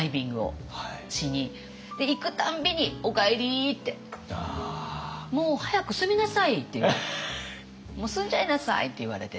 行く度に「おかえり」って「もう早く住みなさい」って「もう住んじゃいなさい」って言われてて。